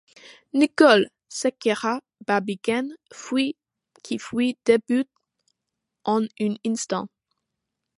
Nicholl! s’écria Barbicane, qui fut debout en un instant.